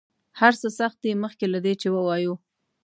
هر څه سخت دي مخکې له دې چې ووایو.